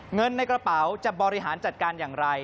เงินในกระเป๋าจะบริหารจัดการอย่างไร